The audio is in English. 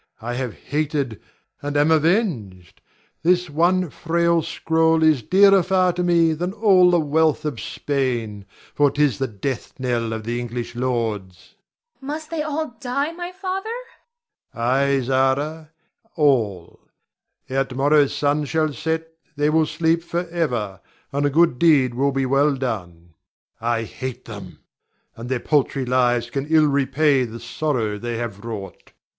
I have hated, and am avenged. This one frail scroll is dearer far to me than all the wealth of Spain, for 'tis the death knell of the English lords. Zara. Must they all die, my father? Ber. Ay, Zara, all; ere to morrow's sun shall set they will sleep forever, and a good deed will be well done. I hate them, and their paltry lives can ill repay the sorrow they have wrought.